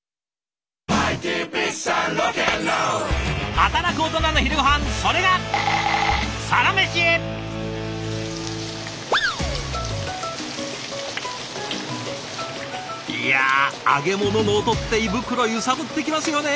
働くオトナの昼ごはんそれがいや揚げ物の音って胃袋揺さぶってきますよね。